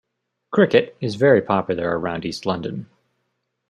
Cricket is very popular around East London.